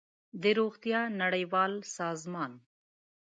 د روغتیا نړیوال سازمان